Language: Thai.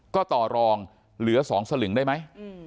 ก็ต่อรองเหลือ๒สลึงได้ไหม